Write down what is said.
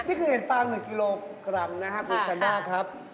นี่คือเห็ดฟาง๑กิโลกรัมนะครับคุณแซนด้าครับ